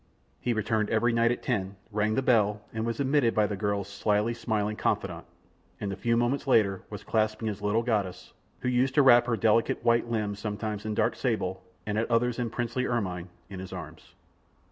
He returned every night at ten, rang the bell, and was admitted by the girl's slyly smiling confidante, and a few moments later was clasping his little goddess, who used to wrap her delicate, white limbs sometimes in dark sable, and at others in princely ermine, in his arms.